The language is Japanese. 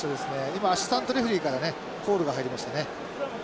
今アシスタントレフェリーからねコールが入りましたね。